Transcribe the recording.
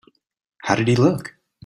How did he look?